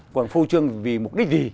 còn phô trương vì mục đích gì